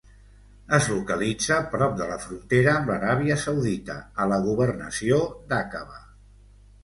Es localitza prop de la frontera amb l'Aràbia Saudita, a la governació d'Aqaba.